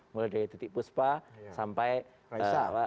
mulai dari titik puspa sampai pusak